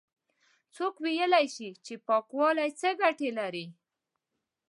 څوک ويلاى شي چې پاکوالی څه گټې لري؟